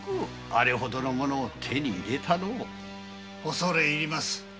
恐れ入ります。